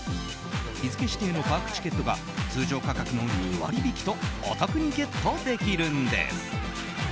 日付指定のパークチケットが通常価格の２割引きとお得にゲットできるんです。